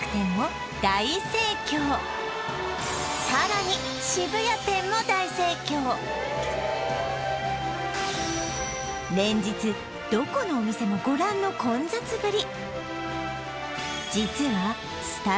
さらに連日どこのお店もご覧の混雑ぶり